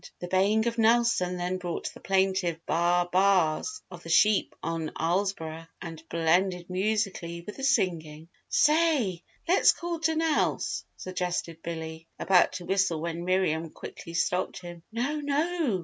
The baying of Nelson then brought the plaintive "baa baas" of the sheep on Islesboro and blended musically with the singing. "Say, let's call to Nelse!" suggested Billy, about to whistle when Miriam quickly stopped him. "No, no!